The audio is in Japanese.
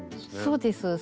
そうです。